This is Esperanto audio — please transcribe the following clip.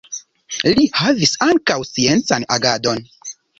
Li havis ankaŭ sciencan agadon.